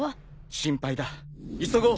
心配だ急ごう。